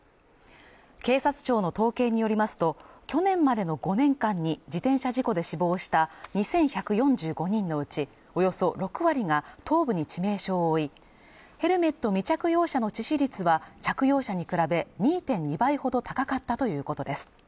警察庁の統計によりますと去年までの５年間に自転車事故で死亡した２１４５人のうちおよそ６割が頭部に致命傷を負いヘルメット着用者の致死率は着用者に比べ２．２倍ほど高かったということです